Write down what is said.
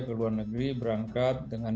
ke luar negeri berangkat dengan